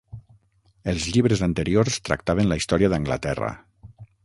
Els llibres anteriors tractaven la història d'Anglaterra.